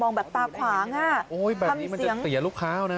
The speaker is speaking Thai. แบบตาขวางอ่ะโอ้ยแบบนี้มันจะเสียลูกค้านะ